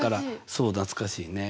そう懐かしいね。